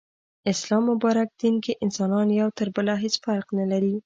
اسلام مبارک دين کي انسانان يو تر بله هيڅ فرق نلري